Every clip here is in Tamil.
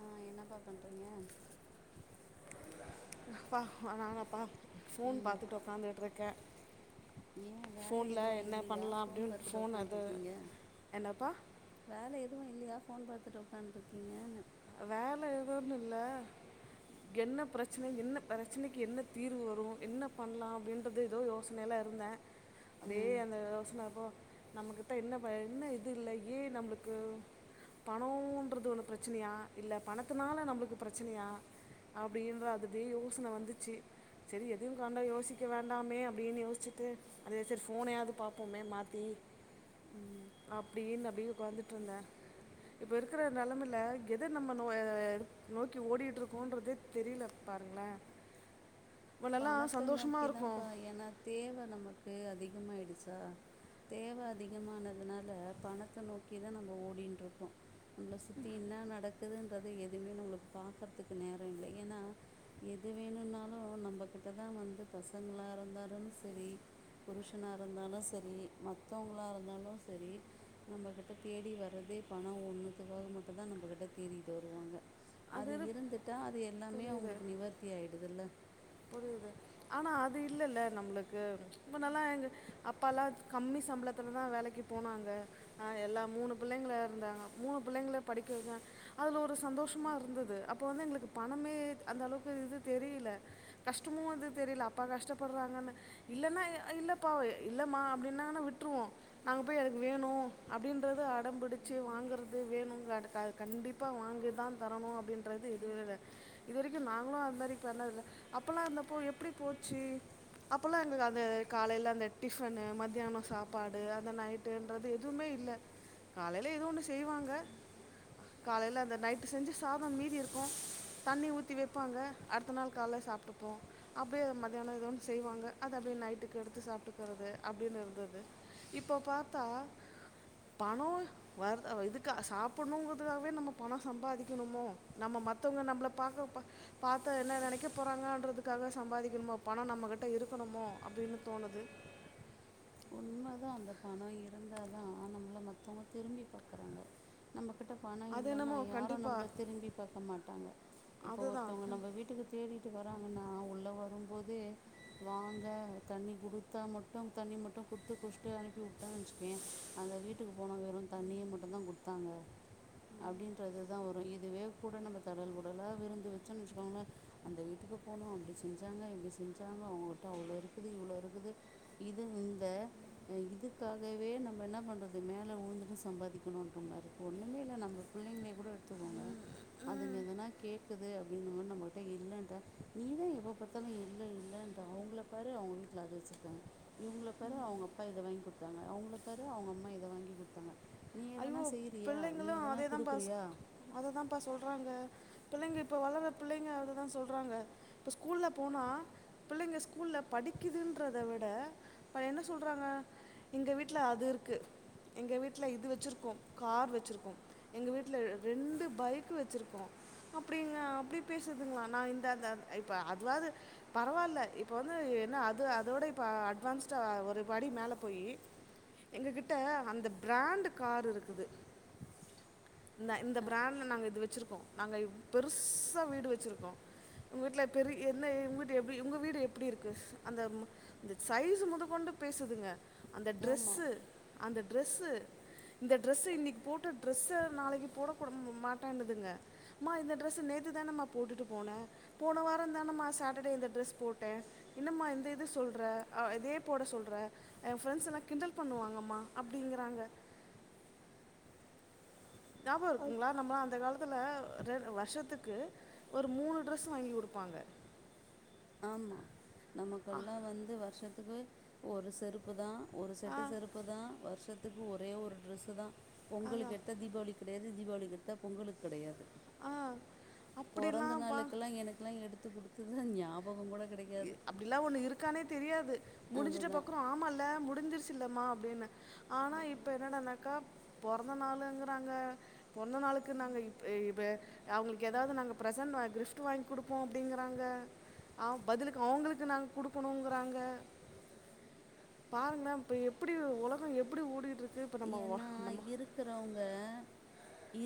அ என்னப்பா பண்றீங்க பா வா நாங்லாப்பா ஃபோன் ம் பாத்துட் ஒக்காந்துகுட்ருக்கே ஏ வேல எதுவு இல்லியா ஃபோன் அப்படின்னு பாத்துட் ஃபோன் அது ஒக்காந்ட்ருக்கீங்க என்னப்பா வேல எதுவு இல்லியா ஃபோன் பாத்துட் ஒக்காந்ட்ருக்கீங்கன்ன வேல ஏதூன் இல்ல என்ன ப்ரச்சன என்ன பெரச்சனைக்கி என்ன தீர்வு வரு என்ன பண்லா அப்டின்றது எதோ யோஸ் நெல இருந்தே அதே ம் அந்த யோஸ்ன இப்போ நம்ம கிட்ட என்ன பஎன்ன இது இல்ல ஏ நம்ப்ளுக்கு பணோன்றது ஒன்னு ப்ரச்சனியா இல்ல பணத்துனால நம்ப்ளுக்கு ப்ரச்சனியா அப்டீன்ற அதுதி யோசுன வந்துச்சி செரி எதியு காண்டா யோசிக்க வேண்டாமே அப்டின் யோஸ்ச்சிட்டு அதே செரி ஃபோனயாது பாப்புமே மாத்தி ம் அப்டீன்னு அப்டியே உக்காந்துட்ருந்தே இப்ப இருக்குற நெலமைல எத நம்ம நோ நோக்கி ஓடிட்ருக்கோன்றதே தெரியல பாருங்ளே முன்னல்லா சந்தோஷ்மா இருப்போ தேவ நமக்கு அதிகமாய்டுச்சா தேவ அதிகமானதுனால பணத்த நோக்கிதா நம்ம ஓடிண்ட்ருக்கோ நம்மள சுத்தி என்ன நடக்குதுன்றத எதுவுமே நம்மளுக்கு பாக்குறதுக்கு நேரொ இல்ல ஏன்னா எது வேணுனாலு நம்மகிட்டதா வந்து பசங்ளா இருந்தாலு சரி புருஷனா இருந்தாலு சரி மத்தவங்களா இருந்தாலு சரி நம்ம கிட்ட தேடி வர்றதே பணொ ஒண்ணுதுக்காக மட்டுதா நம்ம கிட்ட தேடிட்டு வருவாங்க அது இருந்துட்டா அது எல்லாமே புரியுது அவங்களுக்கு நிவர்த்தி ஆய்டுதுல்ல புரியுது ஆனா அது இல்லல்ல நம்ளுக்கு இப்ப நாளா அப்பல்லா கம்மி சம்பளத்துலதா வேலக்கி போனாங்க எல்லா மூணு பிள்ளைங்கள இருந்தாங்க மூணு பிள்ளைங்கள படிக்க வக்க அதுல ஒரு சந்தோஷொ இருந்தது அப்ப வந்து எங்களுக்கு பணமே அந்த அளவுக்கு இது தெரியல கஷ்டமு அது தெரியல அப்பா கஷ்டப்பட்றாங்கன்னு இல்லன்னா இல்லப்பா இல்லமா அப்டின்னாங்கன்னா விட்ருவோ அங்க போய் அதுக்கு வேணு அப்டின்றது அடம்புடிச்சு வாங்கறது வேணுங்க அது கண்டிப்பா இப்பா வாங்கி தா தரணு அப்டின்றது இதுவேல்ல இது வரக்கி நாங்களு அந் மாரி பண்ணதில்ல அப்பல்லா ர்ந்தப்போ எப்டி போச்சு அப்பல்லா எனக்கு அந்த காலையில அந்த டிபன்னு மத்தியானொ சாப்பாடு அந்த நைட் ன்றது எதுவுமே இல்ல காலயில ஏதோ ஒண்ணு செய்வாங்க காலயில அந்த நைட் விட்டு செஞ்ச சாதொ மீதி இருக்கு தண்ணி ஊத்தி வெப்பாங்க அடுத்த நாள் காலல சாப்ட்டுப்போ அப்டியே மத்தியானோ ஏதோ ஒன்னு செய்வாங்க அது அப்டியே நைட்டுக்கு எடுத்து சாப்ட்டுக்குறது அப்டின்னு இருந்தது இப்போ பாத்தா பணோ வர் இதுக்க சாப்பிட்ணுங்குறதுக்காகவே நம்ம பணோ சம்பாதிக்கணுமோ நம்ம மத்தவங்க நம்மள பாக்க பாத்தா என்ன நெனக்க போறாங்கன்றதுக்காக சம்பாதிக்கணுமோ பணோ நம்ம கிட்ட இருக்கணுமோ அப்டின்னு தோணுது உண்மதா அந்த பணொ இருந்தா தா நம்மள மத்தவங்க திரும்பி பாக்குறாங்க நம்ம கிட்ட பணொ அது இல்லன்னா என்னமோ யாரு நம்மள கண்டிப்பாக திரும்பி பாக்க மாட்டாங்க இப்போ ஒருத்தவ்ங்க அதுதான் நம்ம வீட்டு வீட்டுக்கு தேடிட்டு வராங்கன்னா உள்ளே வரும்போதே வாங்க தண்ணி குடுத்தா மட்டு தண்ணி மட்டு குடுத்து குச்சிட்டு அனுப்பி விட்டானு வச்சுக்கொயெ அந்த வீட்டுக்கு போனோ வெறு தண்ணிய மட்டு தா கொடுத்தாங்க அப்டின்றதுதா வரு இதுவே நம்ம தடல் புடலா விருந்து வச்சோன் வச்சுக்கோங்ளே அந்த வீட்டுக்கு போனோ அப்டி செஞ்சாங்க இப்டி செஞ்சாங்க அவங்ககிட்ட அவ்ளோர்க்குது இவ்ளோர்க்குது இது இந்த இதுக்காகவே நம்ம என்ன பண்றது மேலே உழுந்துட்டு சம்பாதிக்கணுன்ற மாரி ருக்கு ஒன்னுமே இல்ல நம்ம புள்ளெங்க கூட எடுத்துக்கோங்க அதுங்க எதனா கேக்குது அப்டின்னுமென நம்மட்ட இல்லன்ற நீதா எப்ப ப த்தாலு இல்ல இல்லன்ற அவங்கள பாரு அவங்க வீட்ல அது வச்சிருக்காங்க இவங்கள பாரு அவங்க அப்பா இத வாங்கி குத்தாங்க அவங்கள பாரு அவங்க அம்மா இத வாங்கி குத்தாங்க நீ எதனா ஐயோ செய்யிறியா நீ எதனா குடுக்குறியா அததாம்பா சொல்றாங்க பிள்ளைங்க இப்ப வளர்ர பிள்ளைங்க அததா சொல்றாங்க இப்ப ஸ்கூல்ல போனா பிள்ளைங்க ஸ்கூல்ல படிக்குதுன்றத விட என்ன சொல்றாங்க எங்க வீட்ல அதுர்க்கு எங்க வீட்ல இது வச் ச்சுருக்கோ கார் வச்சிருக்கோ எங்க வீட்ல ரெண்டு பைக் வச்சிருக்கோ அப்டிங்க அப்டி பேசுதுங்க நா இந்த அந்த இப்ப அதுவாது பரவால்ல இப்ப வந்து என்ன அது அதோட இப்ப அட்வான்ஸ்டா ஒரு படி மேல போயி எங்க கிட்ட அந்த பிராண்ட்டு காரு இருக்குது இந்த இந்த அ பிராண்ட்ல நாங்க இது வச்சிருக்கோ நாங்க இ பெருசா வீடு வச்சிருக்கோ உங்க வீட்ல பெரிய என்ன உங்க வீடு எப்டி உங்க வீடு எப்டி இருக்கு அந்த இந்த சைஸ் மொதக்கொண்டு பேசுதுங்க அந்த ஆமா ட்ரெஸு அந்த ட்ரெஸ்ஸு இந்த டிரெஸ்ஸு இன்னைக்கு போட்ட ட்ரெஸ்ஸ நாளைக்கு போட கூட மா மாட்டேனுதுங்க மா இந்த டிரெஸ்ஸ நேத்து தானம்மா போட்டுட்டு போன போன வாரந் தானம்மா சாட்டர்டே இந்த ட்ரெஸ் போட்டே என்னம்மா இந்த இது சொல்ற அ இதே போட சொல்ற எ ஃப்ரெண்ட்ஸ் எல்லா கிண்டல் பண்ணுவாங்கம்மா அப்டிங்கிறாங்க ஞாபகோ இருக்குங்ளா நம்மளா அந்த காலத்துல ரெ வருஷத்துக்கு ஒரு மூணு ட்ரெஸ் வாங்கி குடுப்பாங்க ஆமா நமக்கெல்லா வந்து வருஷத்துக்கு ஒரு செருப்பு தா ஒரு ஆ செட்டு செருப் பு தா வருஷத்துக்கு ஒரே ஒரு ட்ரெஸ் தா பொங்கலுக்கு அதான் எடுத்தா தீபாவளிக்கு கெடையாது தீபாவளிக்கு எடுத்தா பொங்கலுக்கு கெடையாது ஆ பொறந்த அப்படிலாம்ப்பா நாளுக்குல்லா எனக்குல்லா எடுத்து குடுத்துததா ஞாபகோ கூட கெடை அப்டில்லா ஒண்ணு இருக்கானே தெரியாது முடிஞ்சுட்டு அதுதா பாக்றோ ஆமால்ல முடிஞ்சுருச்சுலம்மா அப்டினு ஆனா இப்ப என்னடானாக்கா பொறந்த நாளுங்குறாங்க பொறந்த நாளுக்கு நாங்க இப்ப இபே அவுங்களுக்கு எதாவது நாங்க ப்ரசன்ட் வாங் கிப்ட் வாங்கி குடுப்போ அப்டிங்கிறாங்க ஆ பதுலுக்கு அவுங்களுக்கு நாங்க குடுக்கணுங்குறாங்க பாருங்ளே இப்ப எப்டி ஒலகோ எப்டி ஓடிட்ருக்கு ஏன்னா இருக்குறவுங்க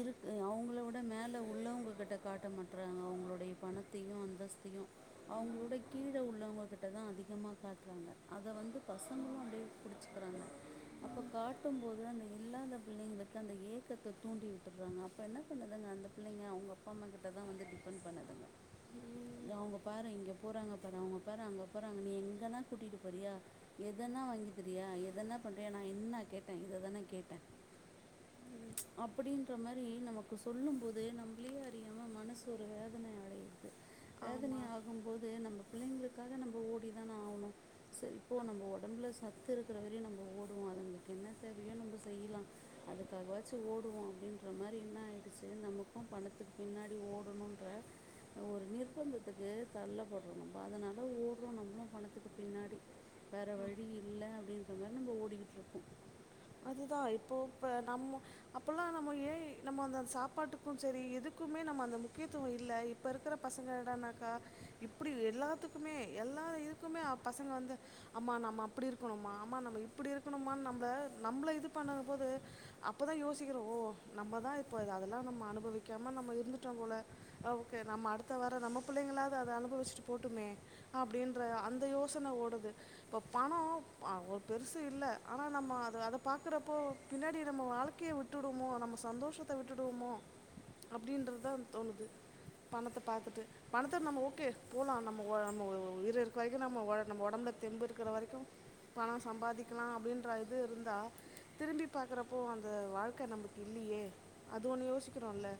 இருக்கு அவுங்கள விட மேல உள்ளவுங்க கிட்ட காட்ட மாட்றாங்க அவுங்களுடைய பணத் தையு அந்தஸ்தையு அவுங்களோட கீழ உள்ளவுங்க கிட்ட தா அதிகமா காட்டுவாங்க அத வந்து பசங்களு அப்டியே புடிச்சுக்கிறாங்க அப்போ காட் ட்டும் போது அந்த இல்லாத பிள்ளைங்களுக்கு அந்த ஏக்கத்த தூண்டி விட்டுர்றாங்க அப்ப என்ன பண்ணுதுங்க அந்த பிள்ளைங்க அவுங்க அப்பா அம்மா கிட்ட தா வந்து டிபண்ட் பண்ணுதுங்க ம் தா அவாங்க பாரு இங்க போறாங்க பாரு அவுங்க பாரு அங்க போறாங்க நீ எங்கனா கூட்டிட்டு போறியா எதனா வாங்கித் தரியா எதனா பண்றியா நா என்ன கேட்டே இததான கேட்டே அப்புடின்ற மாரி நமக்கு சொல்லு போது நம்மளே அறியாம மனசு ஒரு வேதன அடையுது வேதனை ஆமாம் ஆகும் போது நம்ம பிள்ளைங்களுக்காக நம்ம ஓடிதான ஆவணு சரி போ நம்ம ஒடம்புல சத்து இருக்குற வரையு நம்ம ஓடுவோ அதுங்களுக்கு என்ன தேவையோ நம்ப செய்யலா அதுக்காக வாச்சு ஓடுவோ அப்டின்ற மாரி என்ன ஆயிடுச்சு நமக்கு பணத்துக்கு பின்னாடி ஓடணுன்ற ஒரு நிர்பந்தத்துக்கு தள்ளப்பட்றோ நம்ப அதுனால ஓட்றோ நம்பளு பணத்துக்கு பின்னாடி வேறு வழி இல்ல அப்டின்ற மாரி நம்ம ஓடிக்கிட்ருக்கோ அதுதா இப்போ இப்ப நம்ம அப்பல்லா நம்ம ஏஐ நம்ம அந்த சாப்பாடுக்கு செரி எதுக்குமே நம்ம அந்த முக்கியத்துவோ இல்ல இப் இப்ப இருக்குற பசங்க என்னடனாக்கா இப்புடி எல்லாத்துக்குமே எல்லா இதுக்குமே அ பசங்க வந்து அம்மா நம்ம அப்புடி இருக்கணுமா அம்மா நம்ம இப்புடி இருக்கணும்மா நம்ப நம்பள இது பண்ணதா போது அப்பதா யோசிக்கிறோ ஓ நம்மதா இப்ப அதெல்லா நம்ம அனுபவிக்காம நம்ம இருந்துட்டோ போல ஓகே நம்ம அடுத்தவர நம்ம புள்ளைங்களாவது அத அனுபவிச்சிட்டு போட்டுமே அப்டின்ற அந்த யோசன ஓடுது இப்ப பணோ அவ் பெருசு இல்ல ஆனா நம்ம அத பாக்குறப்போ பின்னாடி நம்ம வாழ்க்கையை விட்டுடுவமோ நம்ம சந்தோஷத்த விட்டுடுவோமோ அப்டின்றது தா தோணுது பணத்த பாத்துட்டு பணத்த நம்ம ஓகே போலா நம்ம நம்ம ஒ உயிரு இருக்க வரைக்கு நம்ம நம்ம உடம்புல தெம்பு இருக்கிற வரைக்கு பணம் சம்பாதிக்கலா அப்டின்ற இது இருந்தா திரும்பி பாக்குறப்போ அந்த வாழ்க்கை நமக்கு இல்லையே அது ஒண்ணு யோசிக்கிறோம்ல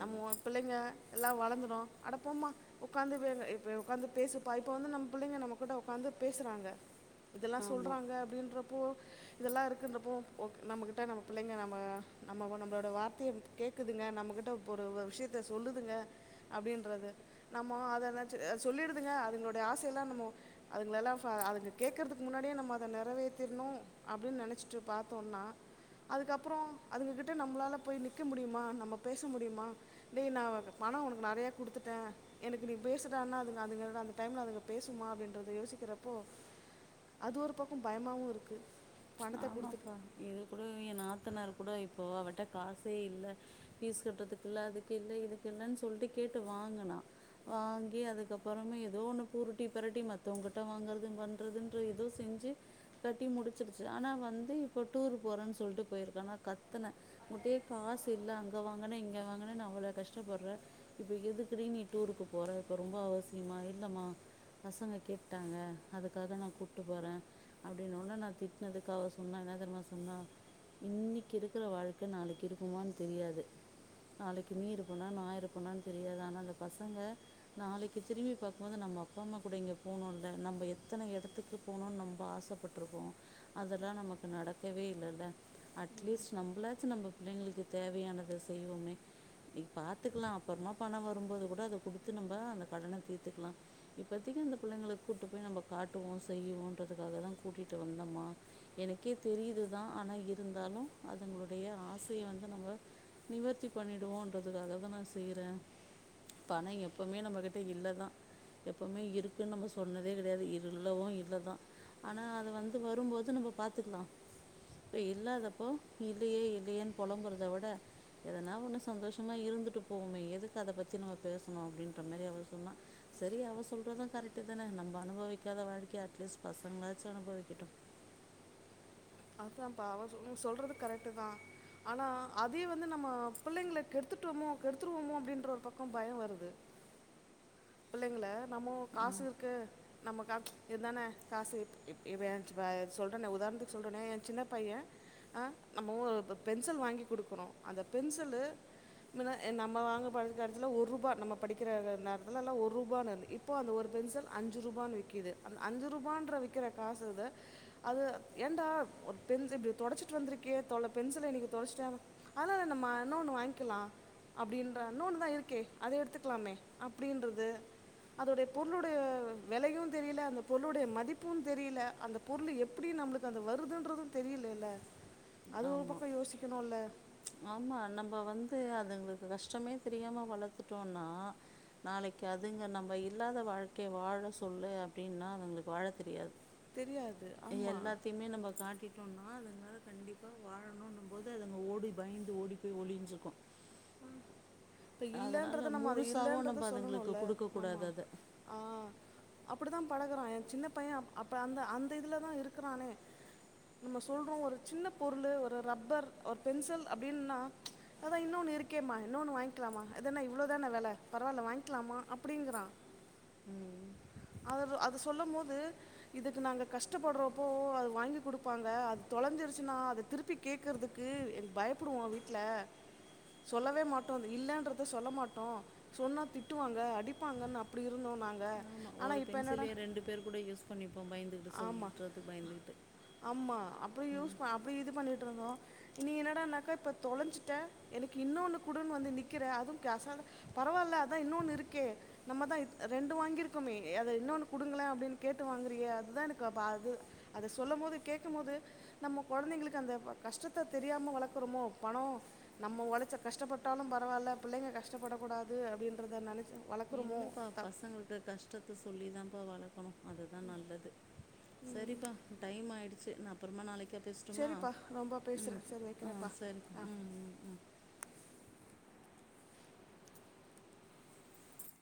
நம்மோ பிள்ளைங்க எல்லா வளர்ந்துடு அடப்போமா உட்காந்து பேசு உட்காந்து பேசுப்பா இப்ப வந்து நம்ம புள்ளைங்க நம்மகிட்ட உட்காந்து பேசுறாங்க இதெல்லா ஆமாம் சொல்றாங்க அப்டின்றப்போ இதெல்லா இருக்குன்றப்போ ஓகே நம்மக்கிட்ட நம்ம பிள்ளைங்க நம்ம நம்ம நம்மளோட வார்த்தைய கேக்குதுங்க நம்மகிட்டப்ப ஒரு விஷயத்த சொல்லுதுங்க அப்டின்றது நம்மோ அத நெனச்சி சொல்லிடுதுங்க அதுங்களுடைய ஆசையெல்லா நம்மோ அதுங்க எல்லா அதுங்க கேக்குறதுக்கு முன்னாடியே நம்ம அத நெறவேத்திணு அப்டின்னு நெனைச்சிட்டு பாத்தோனா அதுக்கப்றோ அதுங்ககிட்ட நம்மளால போய் நிக்க முடியுமா நம்ம பேச முடியுமா டேய் நா பணோ உனக்கு நெறைய குடுத்துட்டே எனக்கு நீ பேசுடான்னா அதுங்க அதுங்கட அந்த டைம்ல அதுங்க பேசுமா அப்டின்றத யோசிக்கிறப்போ அது ஒரு பக்கோ பயமாவு இருக்கு ஆமாப்பா இது கூட எ நாத்தனார் கூட இப்போ அவட்ட காசே இல்ல பீஸ் கட்டுறதுக்கு இல்ல அதுக்கு இல்ல இதுக்கு இல்லன்னு சொல்லிட்டு கேட்டு வாங்குனா வாங்கி அதுக்கப்புறமே ஏதோ ஒன்னு பூருட்டி பெரட்டி மத்தவங்க்குட்ட வாங்குறதுண் வந் ட்றதுன்று இது செஞ்சு கட்டி முடிச் சிடுச்சு ஆன வந்து இப்போ டுரு போறேன்னு சொல்லிட்டு போயிருக்கானா கத்துன உட்டையே காசு இல்ல அங்க வாங்கனா இங்க வாங்கினோ அவ்ளோ கஷ்டப்படுறே இப்ப எதுக்குடி நீ டூருக்கு போற இப்ப ரொம்ப அவசியமா இல்லமா பசங்க கேட்டாங்க அதுக்காக நா கூப்பிட்டு போறே அப்டினோன்ன நா திட்டினதுக்கு அவ சொன்னா என்ன தெரியுமா சொன்னா இன்னைக்கு இருக்கிற வாழ்க்க நாளைக்கு இருக்குமான்னு தெரியாது நாளைக்கு நீ இருப்பனா நா இருப்பனானு தெரியாது ஆனா அந்த பசங்க நாளைக்கு திரும்பி பாக்கு போது நம்ம அப்பா அம்மா கூட இங்க போனோல நம்ம எத்தன இடத்துக்கு போணுனு நம்ப ஆசைப்பட்டிருப்போ அதெல்லா நமக்கு நடக்கவே இல்லல அட்லீஸ்ட் நம்மளாச்சு நம்ம புள்ளைங்களுக்கு தேவையானத செய்வோமே நீ பாத்துக்கலா அப்புறமா பணோ வரும்போது கூட அத குடுத்து நம்ம அந்த கடனை தீர்த்துக்கலா இப்பத்திக்கு அந்த புள்ளைங்களுக்கு கூப்ட்டு போய் நம்ம காட்டுவோ செய்வோன்றதுக்காக தா கூட்டிட்டு வந்தோமா எனக்கே தெரியுதுதா ஆனா இருந்தாலு அதுங்களுடைய ஆசையை வந்து நம்ம நிவர்த்தி பண்ணிடுவோன்றதுக்காக தா நா செய்யிறே பணோ எப்பமே நம்மகிட்ட இல்லதா எப்பமே இருக்குன்னு நம்ம சொன்னதே கிடையாது இல்லவோ இல்லதா ஆனா அது வந் து வரும்போது நம்ம பாத்துக்கலா இப்ப இல்லாதப்போ இல்லையே இல்லையேன்னு போழம்பறத விட எதனா ஒண்ணு சந்தோஷமா இருந்துட்டு போவோமே எதுக்கு அத பத்தி நம்ம பேசணு அப்டின்ற மாரி அவ சொன்னா சேரி அவ சொல்றத கரெக்ட் தானே நம்ம அனுபவிக்காத வாழ்க்கைய அட்லீஸ்ட் பசங்களாச்சு அனுபவிக்கட்டு அதாம் ப்பா அவ சொ நீ சொல்றது கரெக்ட்டு தா ஆனா அதே வந்து நம்ம பிள்ளைங்ள கெடுத்துட்டமோ கெடுத்துடுவோமோ அப்டின்ற ஒரு பக்கோ பய வருது பிள்ளைங்ள நம்ம ஆ காசுருக்கு நம்மக்கா இதான காசு இப் இவ சொல்றனே உதாரணத்துக் சொல்றனே என் சின்ன பைய அ நம்மோ பென்சில் வாங்கி குடுக்குறோ அந்த பென்சிலு நம்ம வாங்க படிக்ற காலத்துல ஒரு ரூபா நம்ம படிக்கிற நேரத்துல்லல்லா ஒரு பா நானு இப் இப்போ அந்த ஒரு பென்சில் அஞ்சு ரூபான்னு விக்கிது அந்த அஞ்சு ரூபான்ற விக்கிற காசு இத அது ஏன்டா பென்சு இப்டி தொலச்சிட்டு வந்திருக்கியே தொல பென்சில இன்னிக்கி தொலஷ்ட்ட அதனால என்னம்மா இன்னொன்னு வாய்ங்கிலா அப்டின்றா இன்னொன்னு தா இருக்கே அத எடுத்துக்லாமே அப்டின்றது அதோடைய பொருளுடைய வெலையு தெரியில அந்த பொருளுடைய மதிப்பு தெரியில அந்த பொருளு எப்பிடி நம்ளுக் அது வருதுன்றது தெரிய்லேல்ல அது ஒரு பக்கோ ஆமாம் யோசிக்கனுல்ல ஆமா நம்ம வந்து அதுங்களுக்கு கஷ்டமே தெரியாம வளத்துட்டோனா நாளைக்கு அதுங்க நம்ப இல்லாத வாழ்க்கைய வாழ சொல்லு அப்டின்னா அவுங்குள்க்கு வாழ தெரியாது தெரியாது ஆமாம் எல்லாத்தையுமே நம்ப காட்டிட் டோனா அதுனால கண்டிப்பா வாழணுன்னு போது அதுங்க ஓடி பயந்து ஓடி போய் ஒளிஞ்சுக்கு இப்ப இல்லன்றது நம்ம அது முழுசாவும் இல்லன்றத நம்ம அதுங்களுக்கு சொல்லணுல்ல ஆமா குடுக்கக்கூடாது அத. ஆ அப்படிதா பழகுறா என் சின்ன பைய அப்ப அந்த அந்த இதுலதா இருக்குறானே நம்ம சொல்றோ ஒரு சின்ன பொருளு ஒரு ரப்பர் ஒரு பென்சில் அப்டின்னா அதா இன்னொன்னு இருக்கேமா இன்னொன்னு வாய்ங்கிலாமா அதென்னா இவ்ளோ தான வெல பரவால்ல வாய்ங்கிலாமா அப்டிங்றா ம் அவரு அது சொல்லும் மோது இதுக்கு நாங்க கஷ்டப்பட்றப்போ அது வாங்கி குடுப்பாங்க அது தொலஞ்சிருச்சுனா அது திருப் ப்பி கேக்கற்துக்கு பயப்புடுவா வீட்ல சொல்லவே மாட்டோ இல்லன்றத சொல்ல மாட்டோ சொன்னா திட்டுவாங்க அடிப்பாங்கன் அப்டி இருந்தோ நாங்க ஆமா. ஒரு பென்சிலே ரெண்டு பேர் கூட யூஸ் பண்ணிப்போ பய்ந்து ஆமா ஆமா அப்டி யூஸ் ம். அப்டி இது பண்ணிட்ருந்தோ இன்னிக்கி என்னடானாக்கா இப்ப தொலச்சுட்ட எனக்கு இன்னொன்னு குடுன் வந்து நிக்கிற அதும் கேசா பரவால்ல அதா இன்னொன்னு இருக்கே நம்ம தா ரெண்டு வாங்கிருக்கோமே அத இன்னொன்னு குடுங்ள அப்டின் கேட்டு வாங்குறியா அத் அதா எனக்கு பா து அத சொல்லு மோது கேக்கும் மோது நம்ம கொழந்தைங்களுக்கு அந்த கஷ்டத்த தெரியாம வளக்குறமோ பணோ நம்ம ஒழச்ச கஷ்டப்பட்டாலும் பரவால்ல பிள்ளைங்க கஷ்டப்படக் கூடாது அப்டின்றத நெனைச்ச இல்லப்பா பசங்களுக்கு கஷ்டத்த சொல்லி தான்ப்பா வளக்கனு அதுதா நல்லது சரிப்பா டைம் ஆயிடுச்சு நா அப்றமா நாளைக்கா பேசட்டுமா சரிப்பா ரொம்ப ம் பேசுகிறேன் சரி ஆ வைக்கிறேன்ப்பா சரி ஆ ம் ம் ம்